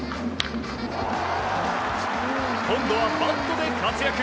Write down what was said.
今度はバットで活躍！